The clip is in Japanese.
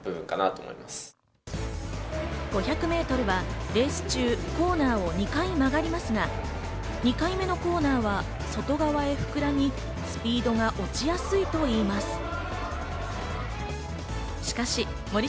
５００ｍはレース中、コーナーも２回曲がりますが、２回目のコーナーは外側へ膨らみ、スピードが落ちやすいといいます。